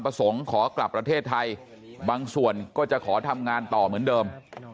ขอกลับประเทศไทยบางส่วนก็จะขอทำงานต่อเหมือนเดิม